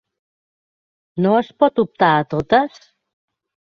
No es pot optar a totes?